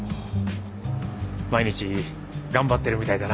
毎日頑張ってるみたいだな。